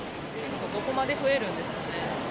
どこまで増えるんですかね。